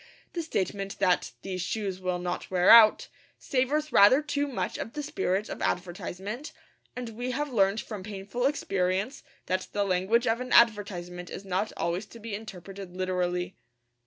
The statement that 'these shoes will not wear out' savours rather too much of the spirit of advertisement; and we have learned from painful experience that the language of an advertisement is not always to be interpreted literally.